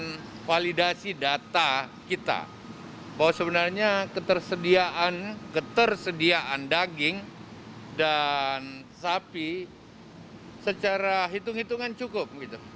kita akan validasi data kita bahwa sebenarnya ketersediaan daging dan sapi secara hitung hitungan cukup